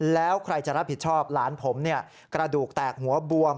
แล้วใครจะรับผิดชอบหลานผมกระดูกแตกหัวบวม